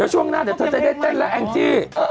เต้นช่วงหน้าเธอจะได้เต้นแหล้งติ